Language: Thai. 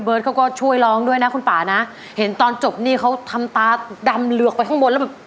เขาก็ช่วยร้องด้วยนะคุณป่านะเห็นตอนจบนี่เขาทำตาดำเหลือกไปข้างบนแล้วแบบ